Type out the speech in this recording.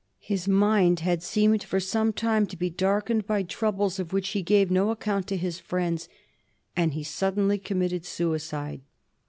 His mind had seemed, for some time, to be darkened by troubles of which he gave no account to his friends, and he suddenly committed suicide.